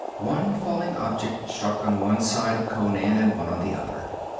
One falling object struck on one side of Conan and one on the other.